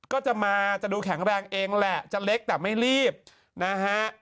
ก็จะมาจะดูแข็งแรงเองแหละจะเล็กแต่ไม่รีบนะฮะ